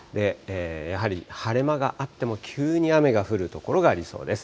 やはり晴れ間があっても急に雨が降る所がありそうです。